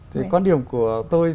thì quan điểm của tôi